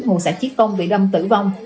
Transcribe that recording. ngù xã chiết công bị đâm tử vong